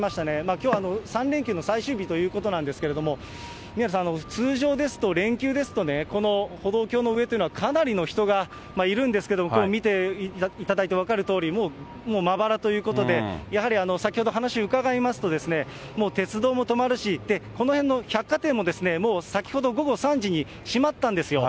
きょう、３連休の最終日ということなんですけれども、宮根さん、通常ですと、連休ですとね、この歩道橋の上というのはかなりの人がいるんですけど、見ていただいて分かるとおり、もうまばらということで、やはり先ほど、話伺いますと、もう鉄道も止まるし、この辺の百貨店ももう先ほど午後３時に閉まったんですよ。